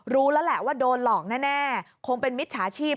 รู้แล้วแหละว่าโดนหลอกแน่คงเป็นมิจฉาชีพ